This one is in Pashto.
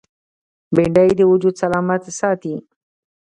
بېنډۍ د وجود سلامت ساتي